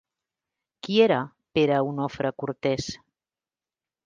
Qui era Pere Onofre Cortés?